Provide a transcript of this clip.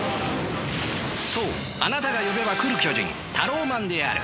そうあなたが呼べば来る巨人タローマンである。